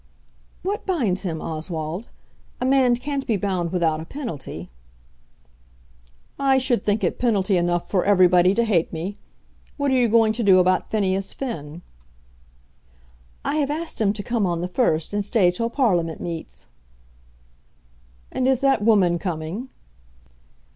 "What binds him, Oswald? A man can't be bound without a penalty." "I should think it penalty enough for everybody to hate me. What are you going to do about Phineas Finn?" "I have asked him to come on the 1st and stay till Parliament meets." "And is that woman coming?"